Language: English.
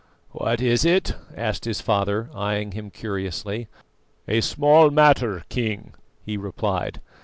"What is it?" asked his father, eyeing him curiously. "A small matter, King," he replied.